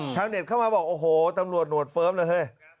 เน็ตเข้ามาบอกโอ้โหตำรวจหนวดเฟิร์มเลยเฮ้ย